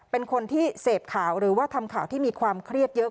เป็นคนที่เสพข่าวหรือว่าทำข่าวที่มีความเครียดเยอะ